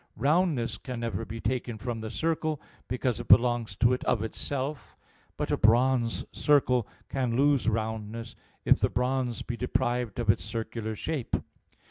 Roundness can never be taken from the circle, because it belongs to it of itself; but a bronze circle can lose roundness, if the bronze be deprived of its circular shape.